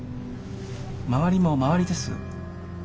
周りも周りです。